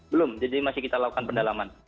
belum jadi masih kita lakukan pendalaman